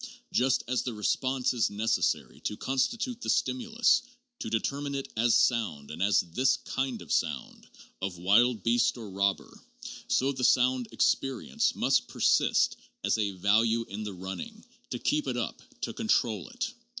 Just as the 'response' is necessary to constitute the stimulus, to determine it as sound and as this kind of sound, of wild beast or robber, so the sound experience must persist as a value in the running, to keep it up, to control it.